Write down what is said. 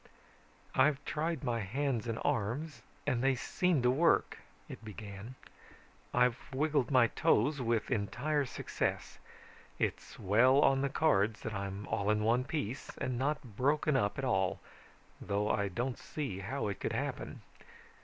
"I've tried my hands and arms and they seem to work," it began. "I've wiggled my toes with entire success. It's well on the cards that I'm all in one piece and not broken up at all, though I don't see how it could happen.